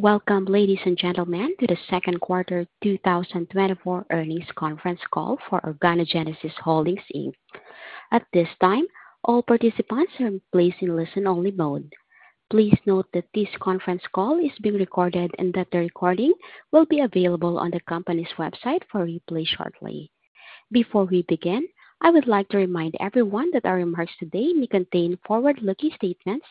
Welcome, ladies and gentlemen, to the second quarter 2024 earnings conference call for Organogenesis Holdings Inc. At this time, all participants are in place in listen-only mode. Please note that this conference call is being recorded and that the recording will be available on the company's website for replay shortly. Before we begin, I would like to remind everyone that our remarks today may contain forward-looking statements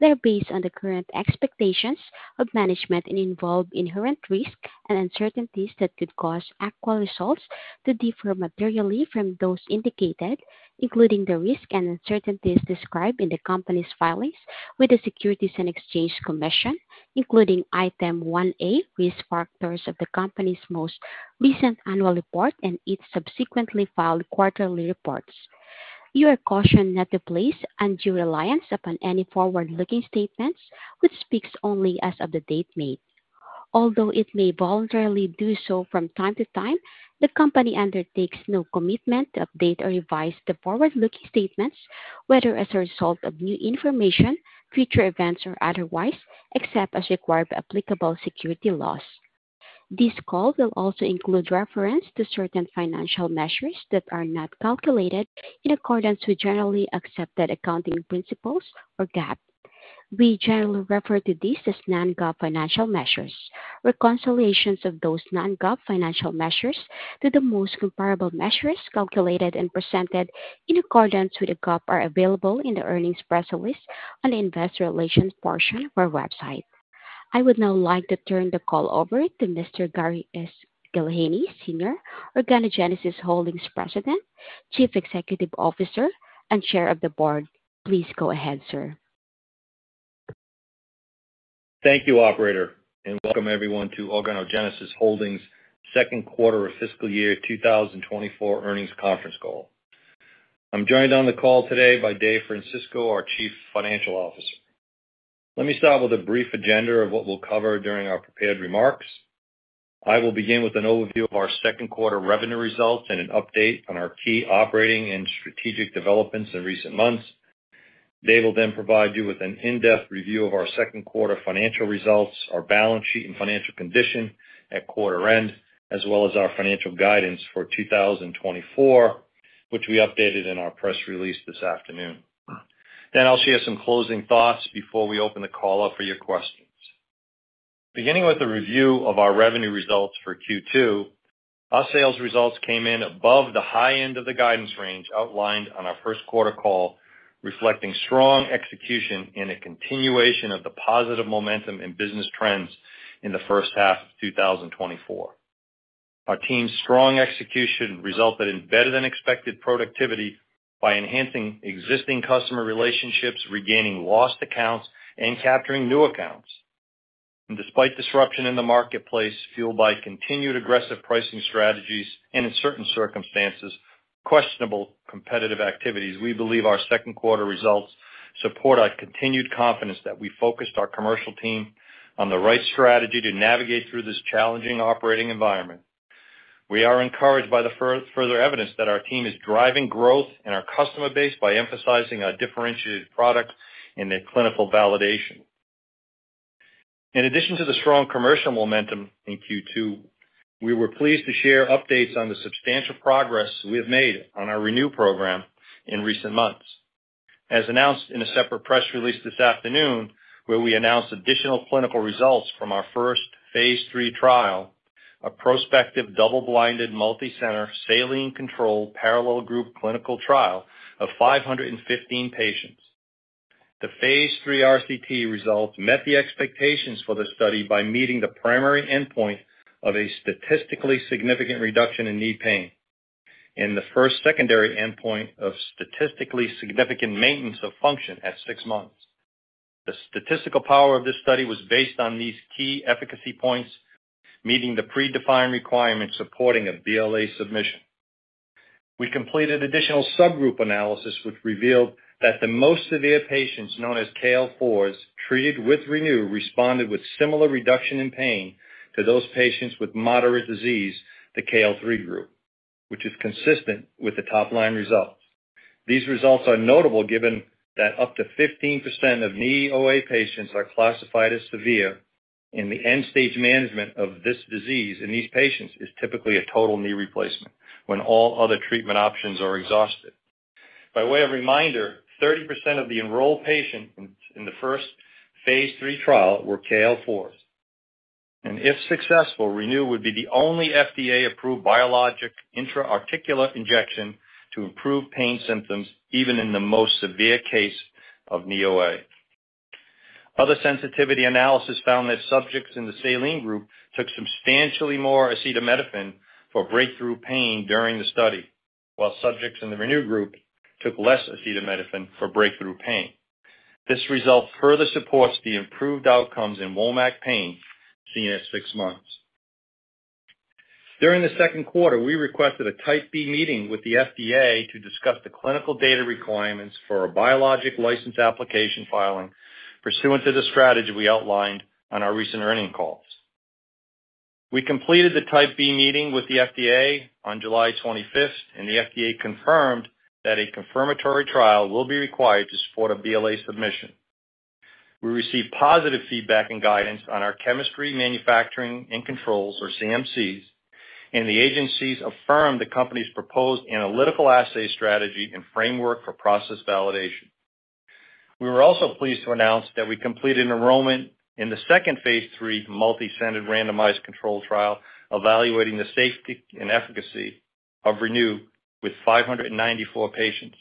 that are based on the current expectations of management and involve inherent risks and uncertainties that could cause actual results to differ materially from those indicated, including the risks and uncertainties described in the company's filings with the Securities and Exchange Commission, including Item 1A, Risk Factors of the company's most recent annual report and each subsequently filed quarterly reports. You are cautioned not to place undue reliance upon any forward-looking statements, which speaks only as of the date made. Although it may voluntarily do so from time to time, the company undertakes no commitment to update or revise the forward-looking statements, whether as a result of new information, future events, or otherwise, except as required by applicable securities laws. This call will also include reference to certain financial measures that are not calculated in accordance with generally accepted accounting principles or GAAP. We generally refer to these as non-GAAP financial measures. Reconciliations of those non-GAAP financial measures to the most comparable measures, calculated and presented in accordance with the GAAP, are available in the earnings press release on the investor relations portion of our website. I would now like to turn the call over to Mr. Gary S. Gillheeney, Sr., President, Chief Executive Officer, and Chair of the Board of Organogenesis Holdings. Please go ahead, sir. Thank you, operator, and welcome everyone to Organogenesis Holdings second quarter of fiscal year 2024 earnings conference call. I'm joined on the call today by Dave Francisco, our Chief Financial Officer. Let me start with a brief agenda of what we'll cover during our prepared remarks. I will begin with an overview of our second quarter revenue results and an update on our key operating and strategic developments in recent months. Dave will then provide you with an in-depth review of our second quarter financial results, our balance sheet, and financial condition at quarter end, as well as our financial guidance for 2024, which we updated in our press release this afternoon. Then I'll share some closing thoughts before we open the call up for your questions. Beginning with a review of our revenue results for Q2, our sales results came in above the high end of the guidance range outlined on our first quarter call, reflecting strong execution and a continuation of the positive momentum in business trends in the first half of 2024. Our team's strong execution resulted in better-than-expected productivity by enhancing existing customer relationships, regaining lost accounts, and capturing new accounts. Despite disruption in the marketplace, fueled by continued aggressive pricing strategies and, in certain circumstances, questionable competitive activities, we believe our second quarter results support our continued confidence that we focused our commercial team on the right strategy to navigate through this challenging operating environment. We are encouraged by the further evidence that our team is driving growth in our customer base by emphasizing our differentiated product and their clinical validation. In addition to the strong commercial momentum in Q2, we were pleased to share updates on the substantial progress we have made on our ReNuprogram in recent months. As announced in a separate press release this afternoon, where we announced additional clinical results from our first phase III trial, a prospective, double-blinded, multicenter, saline-controlled, parallel group clinical trial of 515 patients. The phase III RCT results met the expectations for the study by meeting the primary endpoint of a statistically significant reduction in knee pain and the first secondary endpoint of statistically significant maintenance of function at 6 months. The statistical power of this study was based on these key efficacy points, meeting the predefined requirements supporting a BLA submission. We completed additional subgroup analysis, which revealed that the most severe patients, known as KL4s, treated with ReNu, responded with similar reduction in pain to those patients with moderate disease, the KL3 group, which is consistent with the top-line results. These results are notable given that up to 15% of knee OA patients are classified as severe, and the end-stage management of this disease in these patients is typically a total knee replacement when all other treatment options are exhausted. By way of reminder, 30% of the enrolled patients in the first phase III trial were KL4s. And if successful, ReNu would be the only FDA-approved biologic intra-articular injection to improve pain symptoms, even in the most severe case of knee OA. Other sensitivity analysis found that subjects in the saline group took substantially more acetaminophen for breakthrough pain during the study, while subjects in the RENEW group took less acetaminophen for breakthrough pain. This result further supports the improved outcomes in WOMAC pain seen at six months. During the second quarter, we requested a Type B meeting with the FDA to discuss the clinical data requirements for a biologics license application filing pursuant to the strategy we outlined on our recent earnings call. We completed the Type B meeting with the FDA on July 25, and the FDA confirmed that a confirmatory trial will be required to support a BLA submission. We received positive feedback and guidance on our chemistry, manufacturing, and controls or CMCs, and the agencies affirmed the company's proposed analytical assay strategy and framework for process validation. We were also pleased to announce that we completed enrollment in the second phase 3 multicentered randomized controlled trial, evaluating the safety and efficacy of Renu with 594 patients,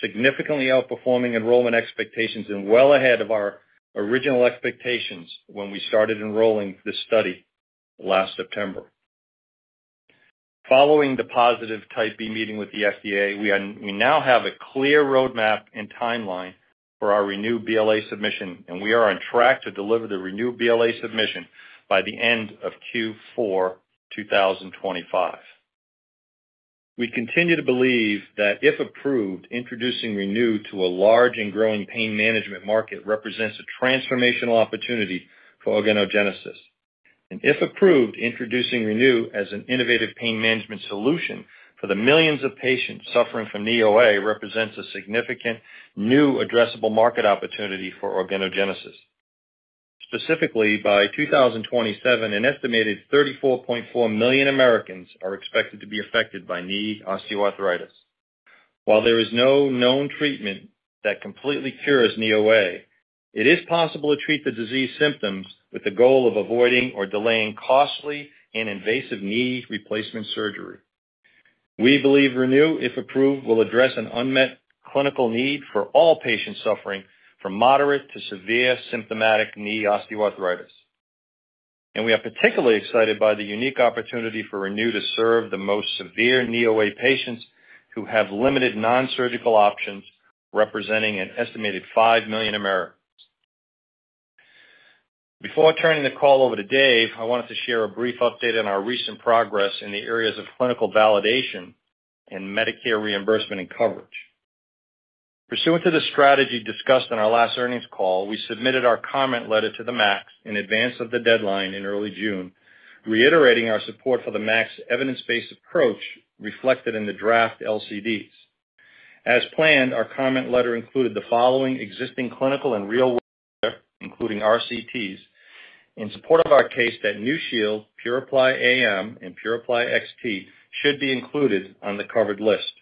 significantly outperforming enrollment expectations and well ahead of our original expectations when we started enrolling this study last September. Following the positive Type B meeting with the FDA, we now have a clear roadmap and timeline for our Renu BLA submission, and we are on track to deliver the Renu BLA submission by the end of Q4 2025. We continue to believe that, if approved, introducing Renu to a large and growing pain management market represents a transformational opportunity for Organogenesis. If approved, introducing Renu as an innovative pain management solution for the millions of patients suffering from knee OA represents a significant new addressable market opportunity for Organogenesis. Specifically, by 2027, an estimated 34.4 million Americans are expected to be affected by knee osteoarthritis. While there is no known treatment that completely cures knee OA, it is possible to treat the disease symptoms with the goal of avoiding or delaying costly and invasive knee replacement surgery. We believe ReNu, if approved, will address an unmet clinical need for all patients suffering from moderate to severe symptomatic knee osteoarthritis. And we are particularly excited by the unique opportunity for ReNu to serve the most severe knee OA patients who have limited nonsurgical options, representing an estimated 5 million Americans. Before turning the call over to Dave, I wanted to share a brief update on our recent progress in the areas of clinical validation and Medicare reimbursement and coverage. Pursuant to the strategy discussed on our last earnings call, we submitted our comment letter to the MAC in advance of the deadline in early June, reiterating our support for the MAC's evidence-based approach reflected in the draft LCDs. As planned, our comment letter included the following existing clinical and real-world data, including RCTs, in support of our case that NuShield, PuraPly AM, and PuraPly XT should be included on the covered list.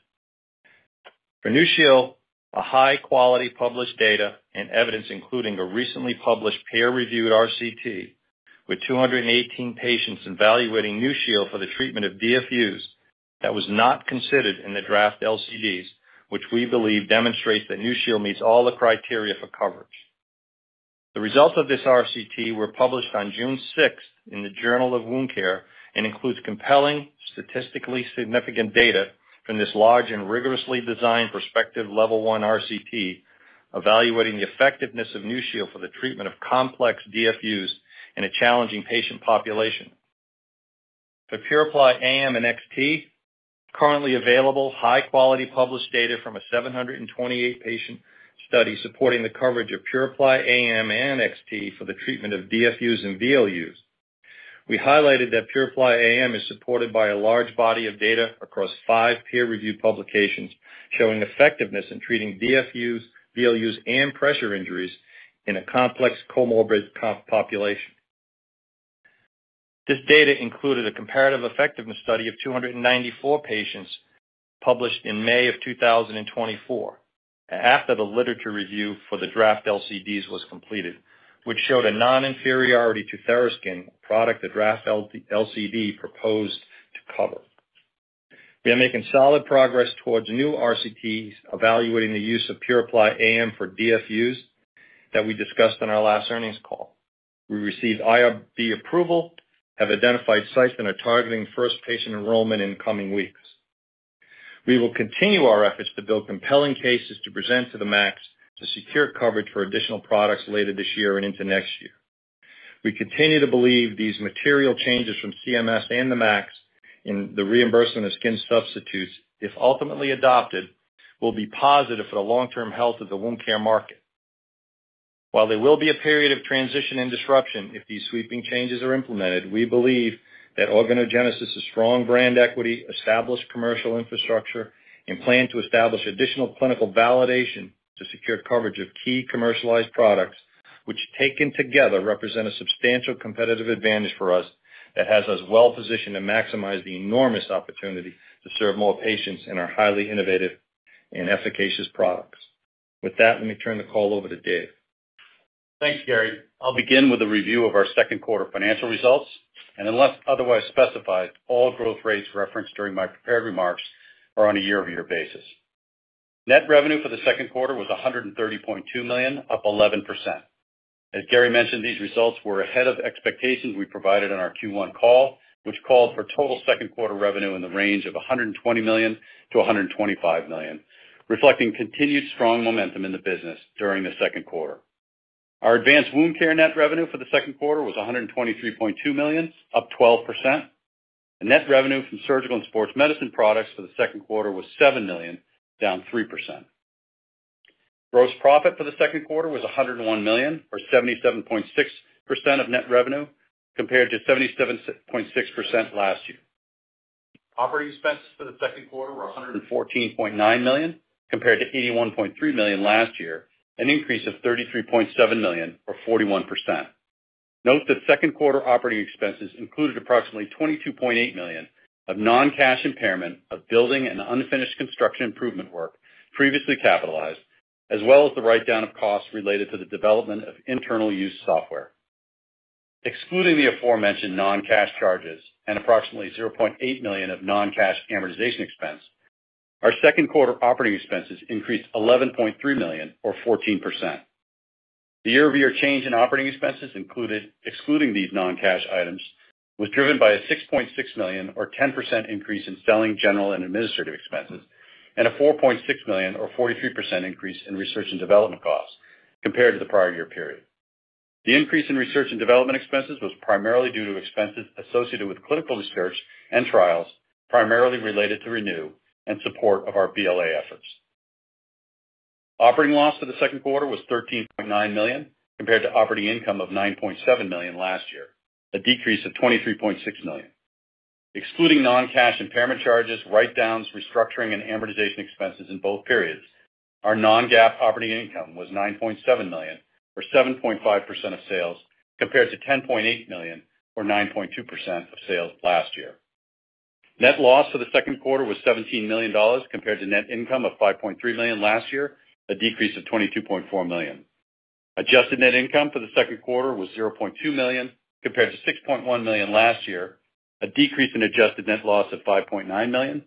For NuShield, a high-quality published data and evidence, including a recently published peer-reviewed RCT with 218 patients evaluating NuShield for the treatment of DFUs, that was not considered in the draft LCDs, which we believe demonstrates that NuShield meets all the criteria for coverage. The results of this RCT were published on June sixth in the Journal of Wound Care and includes compelling, statistically significant data from this large and rigorously designed prospective, level one RCT, evaluating the effectiveness of NuShield for the treatment of complex DFUs in a challenging patient population. For PuraPly AM and XT, currently available, high-quality published data from a 728 patient study supporting the coverage of PuraPly AM and XT for the treatment of DFUs and VLUs. We highlighted that PuraPly AM is supported by a large body of data across five peer-reviewed publications, showing effectiveness in treating DFUs, VLUs, and pressure injuries in a complex comorbid patient population. This data included a comparative effectiveness study of 294 patients, published in May 2024, after the literature review for the draft LCDs was completed, which showed a non-inferiority to TheraSkin, a product the draft LCD proposed to cover. We are making solid progress towards new RCTs, evaluating the use of PuraPly AM for DFUs that we discussed on our last earnings call. We received IRB approval, have identified sites, and are targeting first patient enrollment in coming weeks. We will continue our efforts to build compelling cases to present to the MACs to secure coverage for additional products later this year and into next year. We continue to believe these material changes from CMS and the MACs in the reimbursement of skin substitutes, if ultimately adopted, will be positive for the long-term health of the wound care market. While there will be a period of transition and disruption if these sweeping changes are implemented, we believe that Organogenesis' strong brand equity, established commercial infrastructure, and plan to establish additional clinical validation to secure coverage of key commercialized products, which, taken together, represent a substantial competitive advantage for us that has us well positioned to maximize the enormous opportunity to serve more patients in our highly innovative and efficacious products. With that, let me turn the call over to Dave. Thanks, Gary. I'll begin with a review of our second quarter financial results, and unless otherwise specified, all growth rates referenced during my prepared remarks are on a year-over-year basis. Net revenue for the second quarter was $130.2 million, up 11%. As Gary mentioned, these results were ahead of expectations we provided on our Q1 call, which called for total second quarter revenue in the range of $120 million-$125 million, reflecting continued strong momentum in the business during the second quarter. Our advanced wound care net revenue for the second quarter was $123.2 million, up 12%, and net revenue from surgical and sports medicine products for the second quarter was $7 million, down 3%.... Gross profit for the second quarter was $101 million, or 77.6% of net revenue, compared to 77.6% last year. Operating expenses for the second quarter were $114.9 million, compared to $81.3 million last year, an increase of $33.7 million, or 41%. Note that second quarter operating expenses included approximately $22.8 million of non-cash impairment of building and unfinished construction improvement work previously capitalized, as well as the write-down of costs related to the development of internal use software. Excluding the aforementioned non-cash charges and approximately $0.8 million of non-cash amortization expense, our second quarter operating expenses increased $11.3 million or 14%. The year-over-year change in operating expenses included, excluding these non-cash items, was driven by a $6.6 million, or 10% increase in selling general and administrative expenses, and a $4.6 million, or 43% increase in research and development costs compared to the prior year period. The increase in research and development expenses was primarily due to expenses associated with clinical research and trials, primarily related to ReNu and support of our BLA efforts. Operating loss for the second quarter was $13.9 million, compared to operating income of $9.7 million last year, a decrease of $23.6 million. Excluding non-cash impairment charges, write-downs, restructuring, and amortization expenses in both periods, our non-GAAP operating income was $9.7 million, or 7.5% of sales, compared to $10.8 million, or 9.2% of sales last year. Net loss for the second quarter was $17 million, compared to net income of $5.3 million last year, a decrease of $22.4 million. Adjusted net income for the second quarter was $0.2 million, compared to $6.1 million last year, a decrease in adjusted net loss of $5.9 million.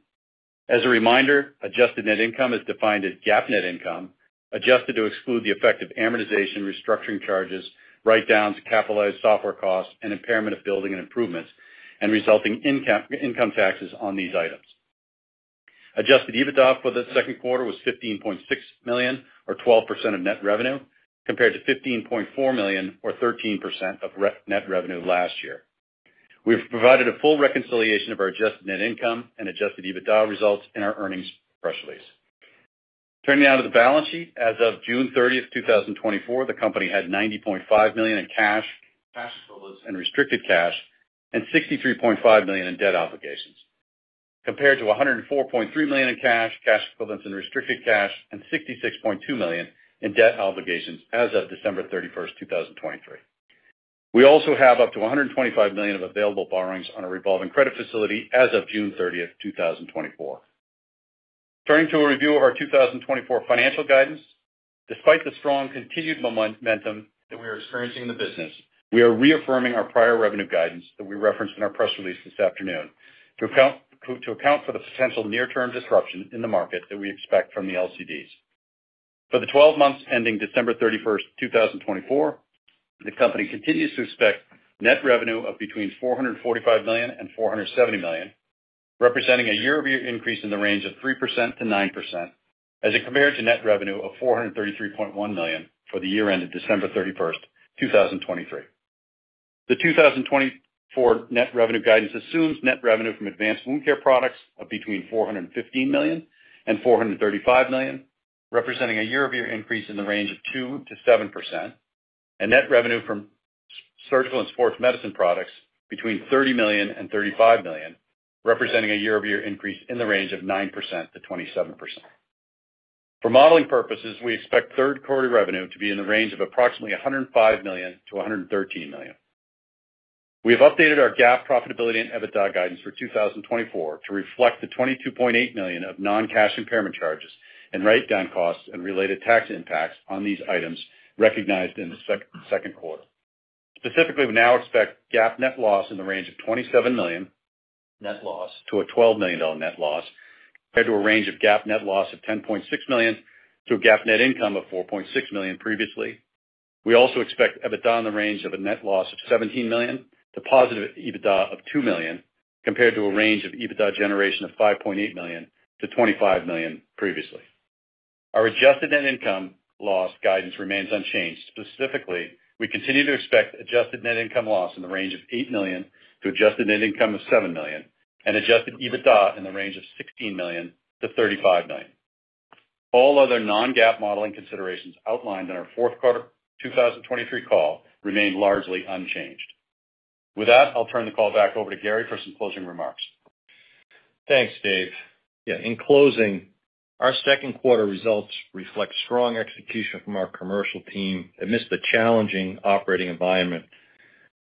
As a reminder, adjusted net income is defined as GAAP net income, adjusted to exclude the effect of amortization, restructuring charges, write-downs, capitalized software costs, and impairment of building and improvements, and resulting income taxes on these items. Adjusted EBITDA for the second quarter was $15.6 million, or 12% of net revenue, compared to $15.4 million, or 13% of net revenue last year. We've provided a full reconciliation of our adjusted net income and adjusted EBITDA results in our earnings press release. Turning now to the balance sheet. As of June 30th, 2024, the company had $90.5 million in cash, cash equivalents and restricted cash, and $63.5 million in debt obligations, compared to $104.3 million in cash, cash equivalents, and restricted cash, and $66.2 million in debt obligations as of December 31st, 2023. We also have up to $125 million of available borrowings on a revolving credit facility as of June 30th, 2024. Turning to a review of our 2024 financial guidance. Despite the strong continued momentum that we are experiencing in the business, we are reaffirming our prior revenue guidance that we referenced in our press release this afternoon to account for the potential near-term disruption in the market that we expect from the LCDs. For the 12 months ending December 31, 2024, the company continues to expect net revenue of between $445 million and $470 million, representing a year-over-year increase in the range of 3%-9%, as it compares to net revenue of $433.1 million for the year ended December 31, 2023. The 2024 net revenue guidance assumes net revenue from advanced wound care products of between $415 million and $435 million, representing a year-over-year increase in the range of 2%-7%, and net revenue from surgical and sports medicine products between $30 million and $35 million, representing a year-over-year increase in the range of 9%-27%. For modeling purposes, we expect third quarter revenue to be in the range of approximately $105 million to $113 million. We have updated our GAAP profitability and EBITDA guidance for 2024 to reflect the $22.8 million of non-cash impairment charges and write-down costs and related tax impacts on these items recognized in the second quarter. Specifically, we now expect GAAP net loss in the range of $27 million net loss to a $12 million net loss, compared to a range of GAAP net loss of $10.6 million to a GAAP net income of $4.6 million previously. We also expect EBITDA in the range of a net loss of $17 million to positive EBITDA of $2 million, compared to a range of EBITDA generation of $5.8 million to $25 million previously. Our adjusted net income loss guidance remains unchanged. Specifically, we continue to expect adjusted net income loss in the range of $8 million to adjusted net income of $7 million, and adjusted EBITDA in the range of $16 million to $35 million. All other non-GAAP modeling considerations outlined in our fourth quarter 2023 call remain largely unchanged. With that, I'll turn the call back over to Gary for some closing remarks. Thanks, Dave. Yeah, in closing, our second quarter results reflect strong execution from our commercial team amidst the challenging operating environment.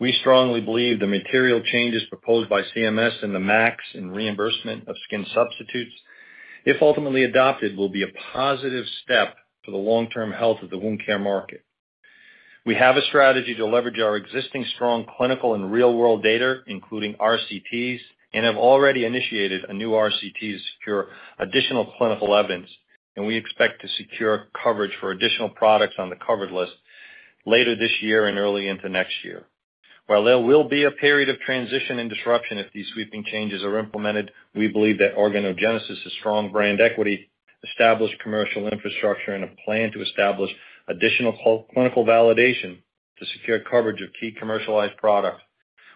We strongly believe the material changes proposed by CMS and the MACs in reimbursement of skin substitutes, if ultimately adopted, will be a positive step for the long-term health of the wound care market. We have a strategy to leverage our existing strong clinical and real-world data, including RCTs, and have already initiated a new RCT to secure additional clinical evidence, and we expect to secure coverage for additional products on the covered list later this year and early into next year. While there will be a period of transition and disruption if these sweeping changes are implemented, we believe that Organogenesis' strong brand equity, established commercial infrastructure, and a plan to establish additional clinical validation to secure coverage of key commercialized products-...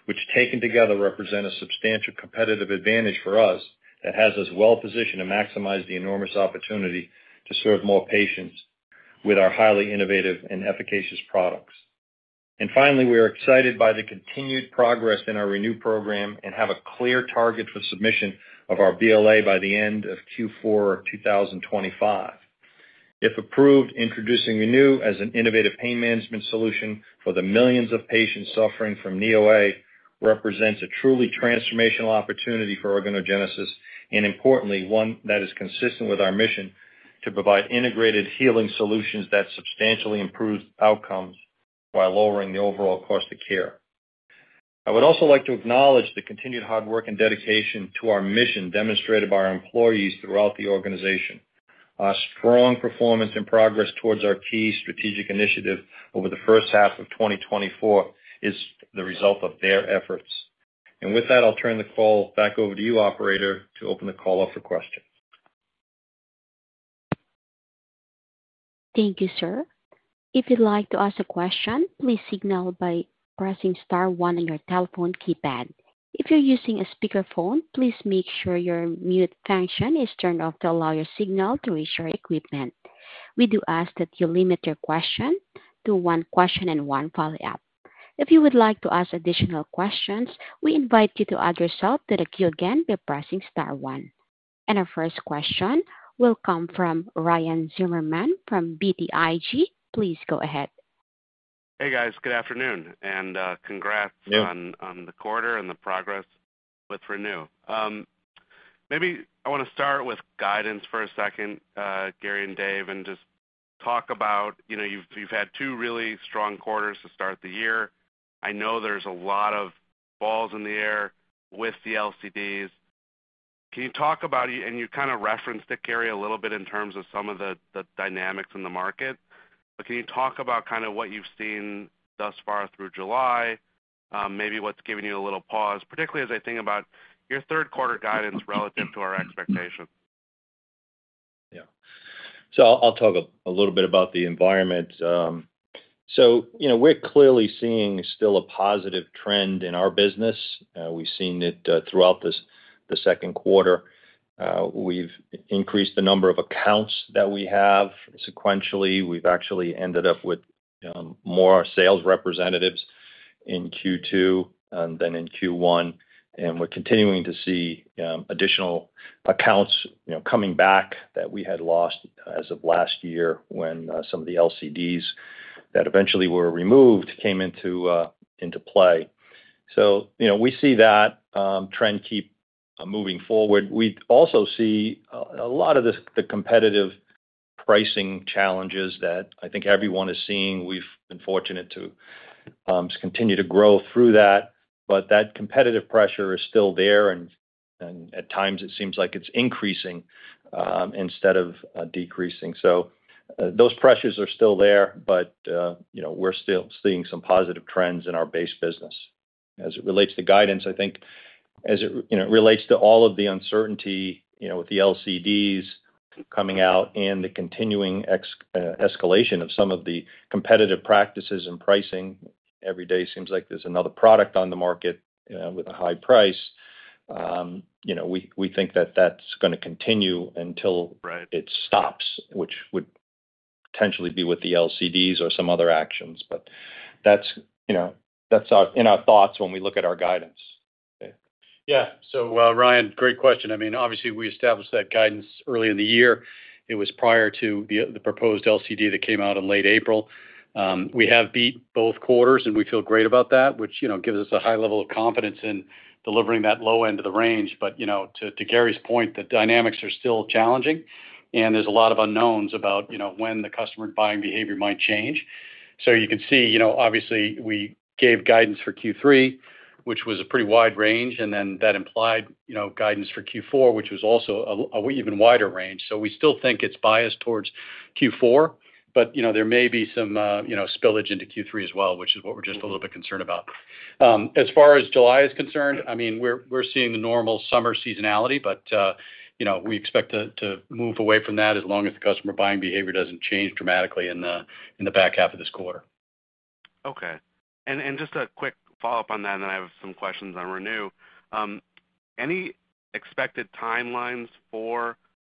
which taken together, represent a substantial competitive advantage for us, that has us well positioned to maximize the enormous opportunity to serve more patients with our highly innovative and efficacious products. And finally, we are excited by the continued progress in our ReNu program and have a clear target for submission of our BLA by the end of Q4 2025. If approved, introducing ReNu as an innovative pain management solution for the millions of patients suffering from knee OA, represents a truly transformational opportunity for Organogenesis, and importantly, one that is consistent with our mission to provide integrated healing solutions that substantially improve outcomes while lowering the overall cost of care. I would also like to acknowledge the continued hard work and dedication to our mission demonstrated by our employees throughout the organization. Our strong performance and progress toward our key strategic initiative over the first half of 2024 is the result of their efforts. With that, I'll turn the call back over to you, operator, to open the call up for questions. Thank you, sir. If you'd like to ask a question, please signal by pressing star one on your telephone keypad. If you're using a speakerphone, please make sure your mute function is turned off to allow your signal to reach your equipment. We do ask that you limit your question to one question and one follow-up. If you would like to ask additional questions, we invite you to add yourself to the queue again by pressing star one. Our first question will come from Ryan Zimmerman from BTIG. Please go ahead. Hey, guys. Good afternoon, and, congrats- Yeah on the quarter and the progress with ReNu. Maybe I want to start with guidance for a second, Gary and Dave, and just talk about, you know, you've had two really strong quarters to start the year. I know there's a lot of balls in the air with the LCDs. Can you talk about, and you kind of referenced it, Gary, a little bit in terms of some of the dynamics in the market, but can you talk about kind of what you've seen thus far through July? Maybe what's giving you a little pause, particularly as I think about your third quarter guidance relative to our expectations. Yeah. So I'll talk a little bit about the environment. So, you know, we're clearly seeing still a positive trend in our business. We've seen it throughout this, the second quarter. We've increased the number of accounts that we have sequentially. We've actually ended up with more sales representatives in Q2 than in Q1, and we're continuing to see additional accounts, you know, coming back that we had lost as of last year, when some of the LCDs that eventually were removed came into into play. So, you know, we see that trend keep moving forward. We also see a lot of the the competitive pricing challenges that I think everyone is seeing. We've been fortunate to continue to grow through that, but that competitive pressure is still there, and at times it seems like it's increasing instead of decreasing. So, those pressures are still there, but you know, we're still seeing some positive trends in our base business. As it relates to guidance, I think as it you know relates to all of the uncertainty you know with the LCDs coming out and the continuing escalation of some of the competitive practices and pricing, every day seems like there's another product on the market with a high price. You know, we think that that's gonna continue until- Right... it stops, which would potentially be with the LCDs or some other actions. But that's, you know, that's in our thoughts when we look at our guidance. Yeah. So, Ryan, great question. I mean, obviously, we established that guidance early in the year. It was prior to the proposed LCD that came out in late April. We have beat both quarters, and we feel great about that, which, you know, gives us a high level of confidence in delivering that low end of the range. But, you know, to Gary's point, the dynamics are still challenging, and there's a lot of unknowns about, you know, when the customer buying behavior might change. So you can see, you know, obviously, we gave guidance for Q3, which was a pretty wide range, and then that implied, you know, guidance for Q4, which was also a even wider range. So we still think it's biased towards Q4, but, you know, there may be some, you know, spillage into Q3 as well, which is what we're just a little bit concerned about. As far as July is concerned, I mean, we're seeing the normal summer seasonality, but, you know, we expect to move away from that as long as the customer buying behavior doesn't change dramatically in the back half of this quarter. Okay. And just a quick follow-up on that, and then I have some questions on ReNu. Any expected timelines for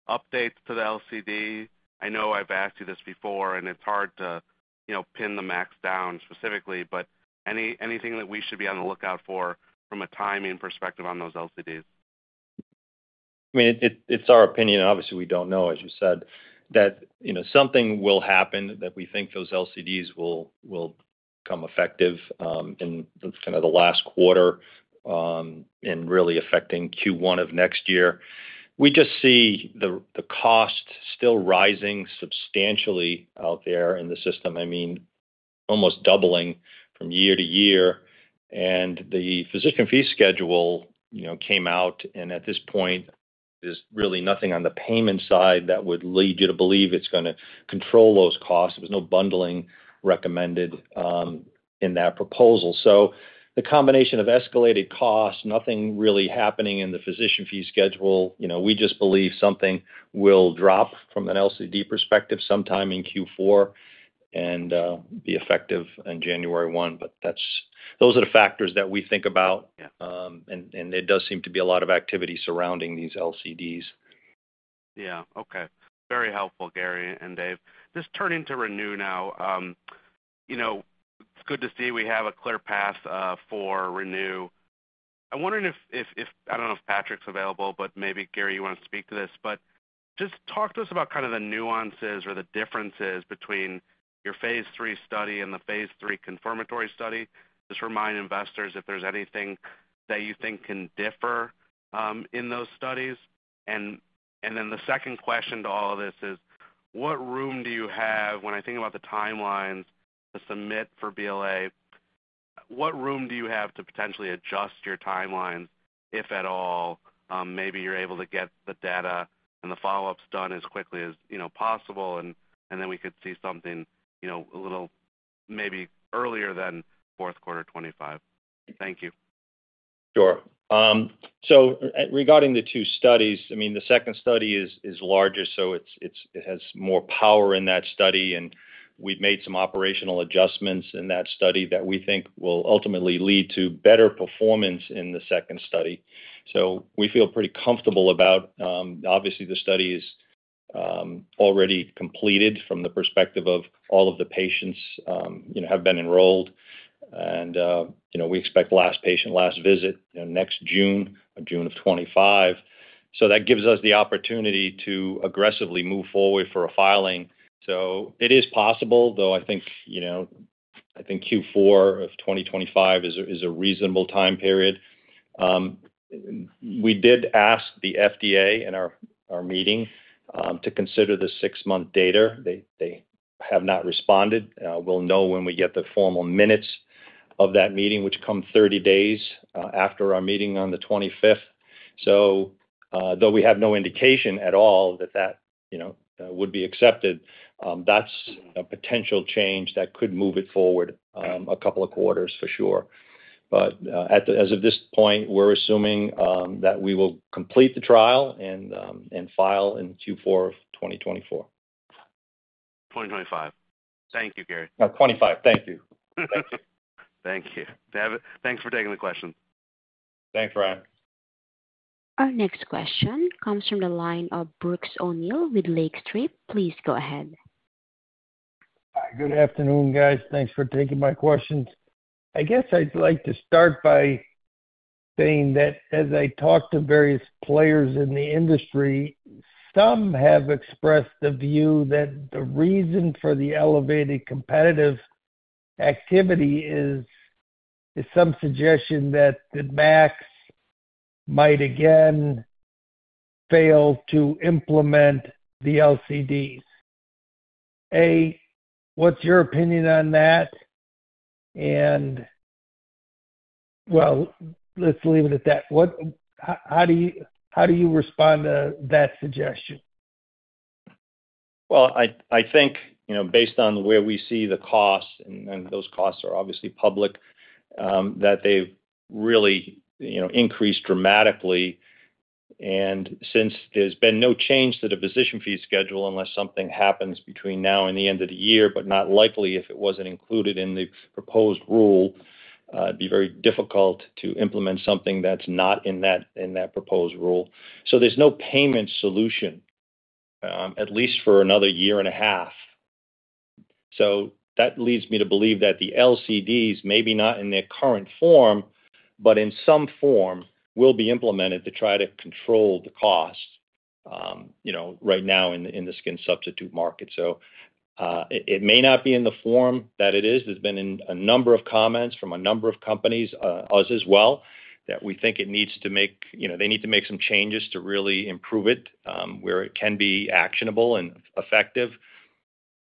updates to the LCD? I know I've asked you this before, and it's hard to, you know, pin the MACs down specifically, but anything that we should be on the lookout for from a timing perspective on those LCDs? I mean, it's our opinion, obviously, we don't know, as you said, that, you know, something will happen, that we think those LCDs will become effective in kind of the last quarter and really affecting Q1 of next year. We just see the cost still rising substantially out there in the system. I mean, almost doubling from year to year. And the physician fee schedule, you know, came out, and at this point, there's really nothing on the payment side that would lead you to believe it's gonna control those costs. There was no bundling recommended in that proposal. So the combination of escalated costs, nothing really happening in the physician fee schedule, you know, we just believe something will drop from an LCD perspective sometime in Q4 and be effective on January one. But those are the factors that we think about. Yeah. There does seem to be a lot of activity surrounding these LCDs. Yeah. Okay. Very helpful, Gary and Dave. Just turning to ReNu now. You know, it's good to see we have a clear path for ReNu. I'm wondering if I don't know if Patrick's available, but maybe, Gary, you want to speak to this, but just talk to us about kind of the nuances or the differences between your phase 3 study and the phase 3 confirmatory study. Just remind investors if there's anything that you think can differ in those studies. And then the second question to all of this is: what room do you have when I think about the timelines to submit for BLA, what room do you have to potentially adjust your timelines, if at all? Maybe you're able to get the data and the follow-ups done as quickly as, you know, possible, and then we could see something, you know, a little maybe earlier than fourth quarter 2025. Thank you. Sure. So regarding the two studies, I mean, the second study is larger, so it has more power in that study, and we've made some operational adjustments in that study that we think will ultimately lead to better performance in the second study. So we feel pretty comfortable about... Obviously, the study is already completed from the perspective of all of the patients, you know, have been enrolled, and, you know, we expect last patient, last visit, you know, next June or June of 2025. So that gives us the opportunity to aggressively move forward for a filing. So it is possible, though, I think, you know, I think Q4 of 2025 is a reasonable time period. We did ask the FDA in our meeting to consider the six-month data. They have not responded. We'll know when we get the formal minutes of that meeting, which come 30 days after our meeting on the 25th. So, though we have no indication at all that that, you know, would be accepted, that's a potential change that could move it forward a couple of quarters for sure. But, as of this point, we're assuming that we will complete the trial and and file in Q4 of 2024. 2025. Thank you, Gary. No, 25. Thank you. Thank you. David, thanks for taking the question. Thanks, Ryan. Our next question comes from the line of Brooks O'Neill with Lake Street. Please go ahead. Hi, good afternoon, guys. Thanks for taking my questions. I guess I'd like to start by saying that as I talk to various players in the industry, some have expressed the view that the reason for the elevated competitive activity is some suggestion that the MACs might again fail to implement the LCDs. A, what's your opinion on that? And, well, let's leave it at that. What-- How do you respond to that suggestion? Well, I think, you know, based on where we see the costs, and those costs are obviously public, that they've really, you know, increased dramatically. And since there's been no change to the physician fee schedule, unless something happens between now and the end of the year, but not likely, if it wasn't included in the proposed rule, it'd be very difficult to implement something that's not in that proposed rule. So there's no payment solution, at least for another year and a half. So that leads me to believe that the LCDs, maybe not in their current form, but in some form, will be implemented to try to control the cost, you know, right now in the skin substitute market. So, it may not be in the form that it is. There's been a number of comments from a number of companies, us as well, that we think you know, they need to make some changes to really improve it, where it can be actionable and effective.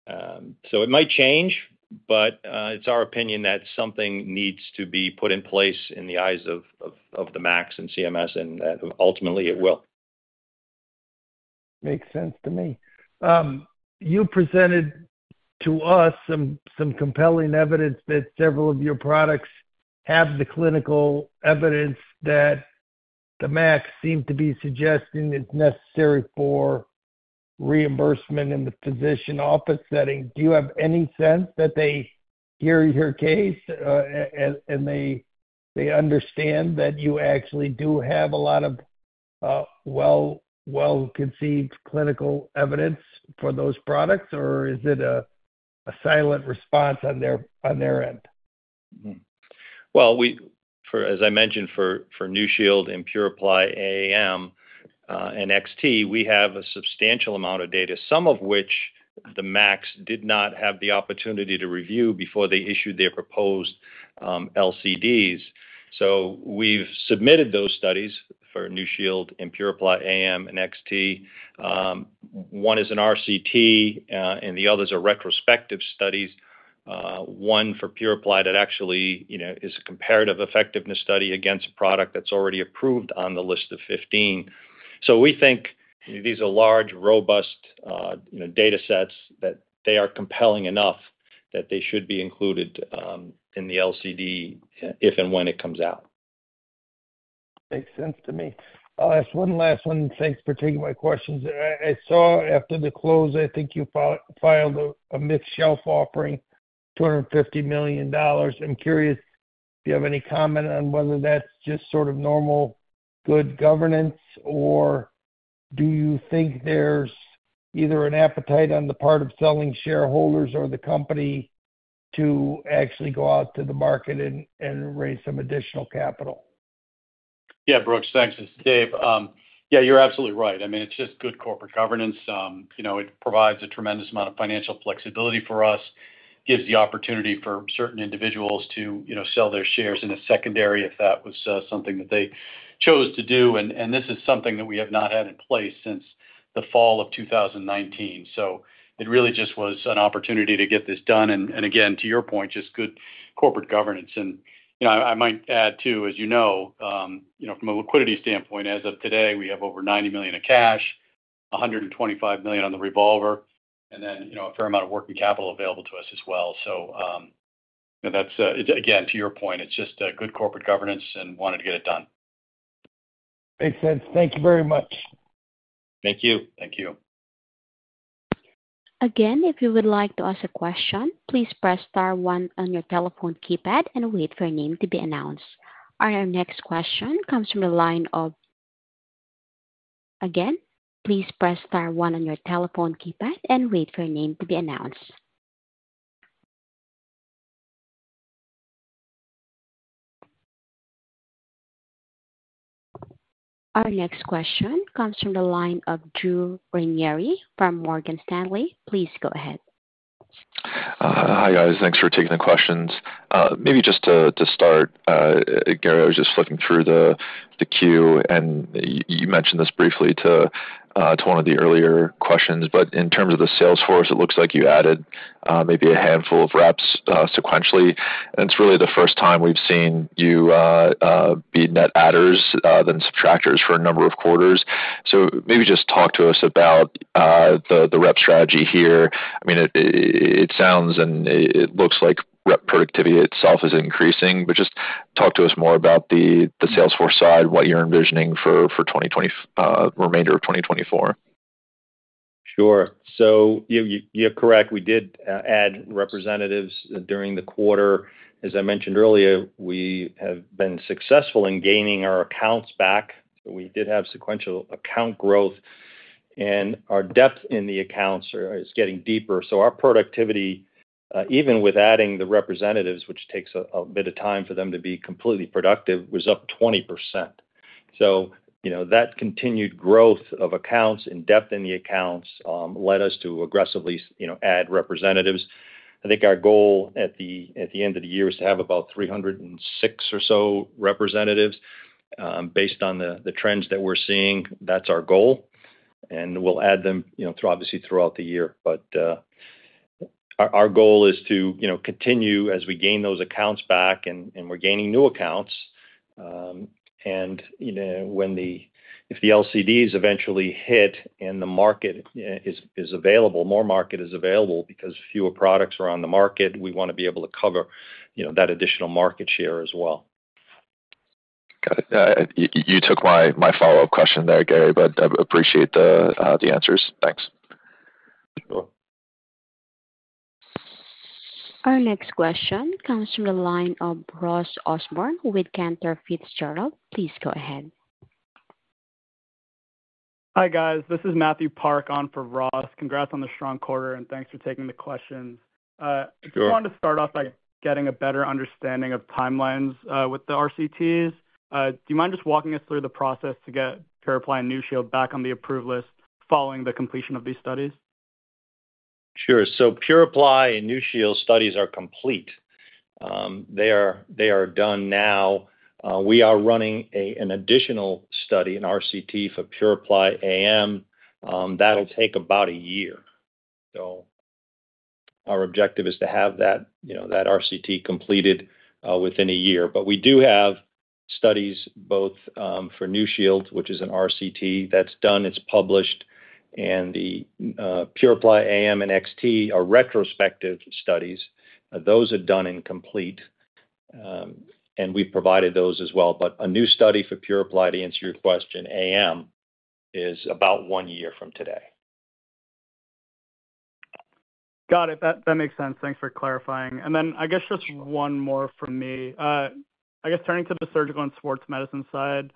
So it might change, but, it's our opinion that something needs to be put in place in the eyes of the MAC and CMS, and, ultimately it will. Makes sense to me. You presented to us some compelling evidence that several of your products have the clinical evidence that the MACs seem to be suggesting is necessary for reimbursement in the physician office setting. Do you have any sense that they hear your case, and they understand that you actually do have a lot of well-conceived clinical evidence for those products, or is it a silent response on their end? Well, as I mentioned, for NuShield and PuraPly AM and XT, we have a substantial amount of data, some of which the MAC did not have the opportunity to review before they issued their proposed LCDs. So we've submitted those studies for NuShield and PuraPly AM and XT. One is an RCT, and the others are retrospective studies, one for PuraPly that actually, you know, is a comparative effectiveness study against a product that's already approved on the list of 15. So we think these are large, robust data sets that they are compelling enough that they should be included in the LCD, if and when it comes out.... Makes sense to me. I'll ask one last one, and thanks for taking my questions. I saw after the close, I think you filed a mixed shelf offering, $250 million. I'm curious, do you have any comment on whether that's just sort of normal good governance, or do you think there's either an appetite on the part of selling shareholders or the company to actually go out to the market and raise some additional capital? Yeah, Brooks, thanks. It's Dave. Yeah, you're absolutely right. I mean, it's just good corporate governance. You know, it provides a tremendous amount of financial flexibility for us, gives the opportunity for certain individuals to, you know, sell their shares in a secondary, if that was something that they chose to do. And this is something that we have not had in place since the fall of 2019. So it really just was an opportunity to get this done, and again, to your point, just good corporate governance. And, you know, I might add, too, as you know, you know, from a liquidity standpoint, as of today, we have over $90 million of cash, $125 million on the revolver, and then, you know, a fair amount of working capital available to us as well. So, and that's, again, to your point, it's just good corporate governance and wanted to get it done. Makes sense. Thank you very much. Thank you. Thank you. Again, if you would like to ask a question, please press star one on your telephone keypad and wait for your name to be announced. Our next question comes from the line of... Again, please press star one on your telephone keypad and wait for your name to be announced. Our next question comes from the line of Drew Ranieri from Morgan Stanley. Please go ahead. Hi, guys. Thanks for taking the questions. Maybe just to start, Gary, I was just looking through the queue, and you mentioned this briefly to one of the earlier questions. But in terms of the sales force, it looks like you added maybe a handful of reps sequentially, and it's really the first time we've seen you be net adders than subtractors for a number of quarters. So maybe just talk to us about the rep strategy here. I mean, it sounds, and it looks like rep productivity itself is increasing, but just talk to us more about the sales force side, what you're envisioning for remainder of 2024. Sure. So you're correct. We did add representatives during the quarter. As I mentioned earlier, we have been successful in gaining our accounts back. We did have sequential account growth, and our depth in the accounts are, is getting deeper. So our productivity, even with adding the representatives, which takes a bit of time for them to be completely productive, was up 20%. So, you know, that continued growth of accounts and depth in the accounts, led us to aggressively, you know, add representatives. I think our goal at the end of the year is to have about 306 or so representatives. Based on the trends that we're seeing, that's our goal, and we'll add them, you know, through obviously throughout the year. But our goal is to, you know, continue as we gain those accounts back and we're gaining new accounts. And, you know, when, if the LCDs eventually hit and the market is available, more market is available because fewer products are on the market, we want to be able to cover, you know, that additional market share as well. Got it. You took my follow-up question there, Gary, but I appreciate the answers. Thanks. Sure. Our next question comes from the line of Ross Osborn with Cantor Fitzgerald. Please go ahead. Hi, guys. This is Matthew Park on for Ross. Congrats on the strong quarter, and thanks for taking the questions. Sure. I just wanted to start off by getting a better understanding of timelines with the RCTs. Do you mind just walking us through the process to get PuraPly and NuShield back on the approved list following the completion of these studies? Sure. So PuraPly and NuShield studies are complete. They are done now. We are running an additional study, an RCT for PuraPly AM. That'll take about a year. So our objective is to have that, you know, that RCT completed within a year. But we do have studies both for NuShield, which is an RCT that's done, it's published, and the PuraPly AM and XT are retrospective studies. Those are done and complete, and we've provided those as well. But a new study for PuraPly, to answer your question, AM, is about one year from today. Got it. That, that makes sense. Thanks for clarifying. And then I guess just one more from me. I guess turning to the surgical and sports medicine side,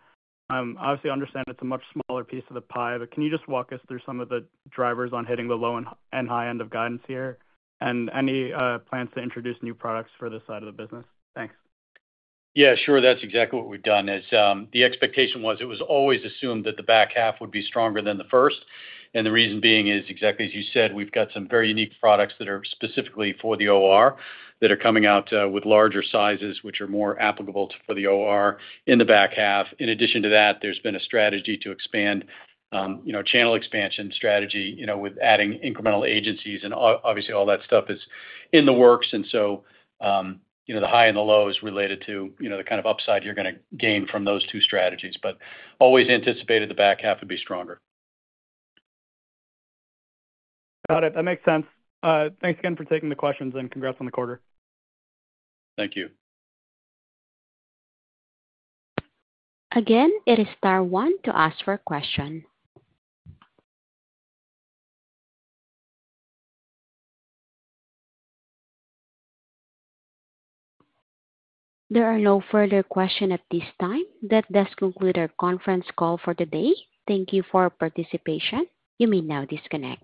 obviously, I understand it's a much smaller piece of the pie, but can you just walk us through some of the drivers on hitting the low and high end of guidance here? And any plans to introduce new products for this side of the business? Thanks. Yeah, sure. That's exactly what we've done is, the expectation was it was always assumed that the back half would be stronger than the first, and the reason being is exactly as you said, we've got some very unique products that are specifically for the OR, that are coming out, with larger sizes, which are more applicable to, for the OR in the back half. In addition to that, there's been a strategy to expand, you know, channel expansion strategy, you know, with adding incremental agencies and obviously, all that stuff is in the works. And so, you know, the high and the low is related to, you know, the kind of upside you're gonna gain from those two strategies, but always anticipated the back half would be stronger. Got it. That makes sense. Thanks again for taking the questions, and congrats on the quarter. Thank you. Again, it is star one to ask for a question. There are no further question at this time. That does conclude our conference call for the day. Thank you for participation. You may now disconnect.